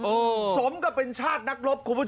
ท่านผู้ชมทำไมสมก็เป็นชาตินักรบผมจะเล่าให้ฟัง